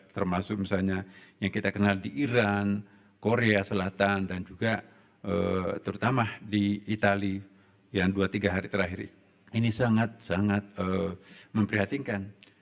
termasuk misalnya yang kita kenal di iran korea selatan dan juga terutama di itali yang dua tiga hari terakhir ini ini sangat sangat memprihatinkan